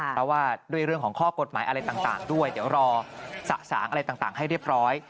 เพราะว่าด้วยเรื่องของข้อกฎหมายอะไรต่างด้วยเดี๋ยวรอสะสางอะไรต่างให้เรียบร้อย